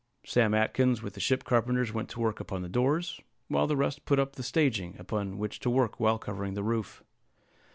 Sam Atkins, with the ship carpenters, went to work upon the doors, while the rest put up the staging upon which to work while covering the roof.